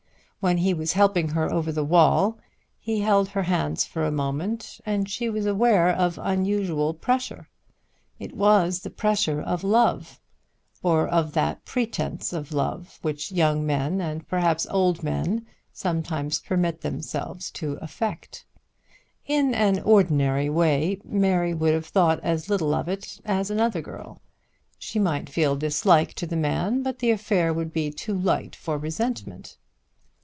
When he was helping her over the wall he held her hands for a moment and she was aware of unusual pressure. It was the pressure of love, or of that pretence of love which young men, and perhaps old men, sometimes permit themselves to affect. In an ordinary way Mary would have thought as little of it as another girl. She might feel dislike to the man, but the affair would be too light for resentment.